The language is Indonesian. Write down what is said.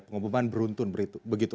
pengoboman beruntun begitu